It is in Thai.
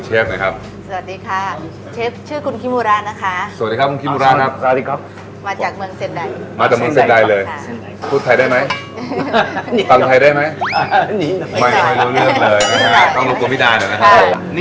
เพราะผมคงจะพูดกับแกมาให้เขารู้เรื่อง